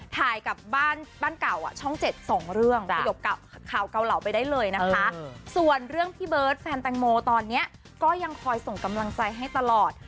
ถ่ายกับบ้านบ้านเก่าช่อง๗๒เรื่องสยบข่าวเกาเหลาไปได้เลยนะคะส่วนเรื่องพี่เบิร์ตแฟนแตงโมตอนนี้ก็ยังคอยส่งกำลังใจให้ตลอด